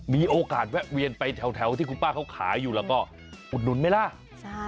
มีโอกาสแวะเวียนไปแถวที่คุณป้าเขาขายอยู่แล้วก็อุดหนุนไหมล่ะ